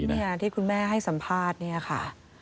เนี่ยที่คุณแม่ให้สัมภาษณ์เนี่ยค่ะ